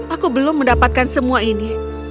aku belum mendapatkan semua ini